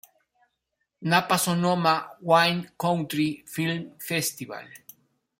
Napa Sonoma Wine Country Film Festival